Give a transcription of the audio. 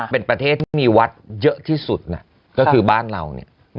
เป็นประเทศที่มีวัดเยอะที่สุดนะก็คือบ้านเราเนี่ย